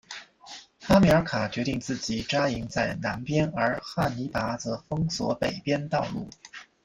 哈米尔卡决定自己扎营在南边而汉尼拔则封锁北面道路。